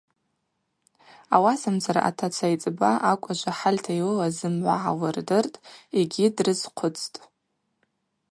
Ауасамцара атаца айцӏба акӏважва хӏальта йлылаз зымгӏва гӏаллырдыртӏ йгьи дрызхъвыцтӏ.